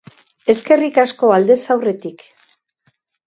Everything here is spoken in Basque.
Eskerrik asko aldez aurretik.